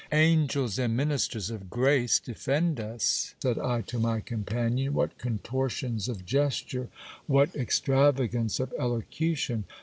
Angels and ministers of grace defend us, said I to my companion : what contortions of gesture, what extravagance of elocution